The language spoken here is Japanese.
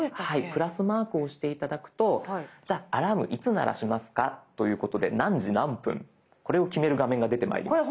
プラスマークを押して頂くとじゃあアラームいつ鳴らしますかということで何時何分これを決める画面が出てまいります。